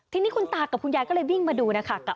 ทีนี้คุณตากับคุณยายก็เลยวิ่งมาดูนะคะ